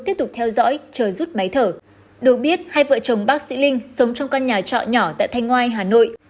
trọ nhỏ tại thanh ngoai hà nội